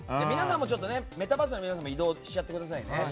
メタバースの皆さんも移動しちゃってくださいね。